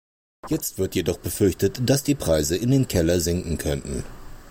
Jetzt wird jedoch befürchtet, dass die Preise in den Keller sinken könnten.